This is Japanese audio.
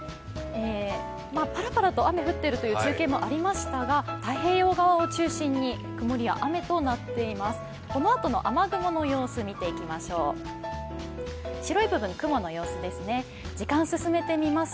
パラパラと雨が降っているという中継もありましたが太平洋側を中心に曇りや雨となっています。